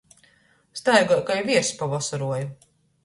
Staigoj kai vierss pa vosoruoju.